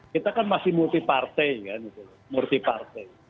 kita kan masih multi partai